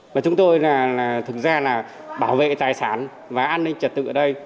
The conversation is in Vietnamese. và chúng tôi là thực ra là bảo vệ tài sản và an ninh trật tự ở đây